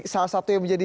salah satu yang menjadi